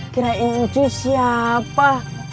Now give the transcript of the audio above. kirain cuy siapa